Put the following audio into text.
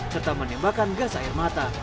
serta menembakkan gas air mata